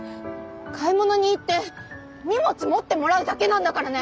買い物に行って荷物持ってもらうだけなんだからね！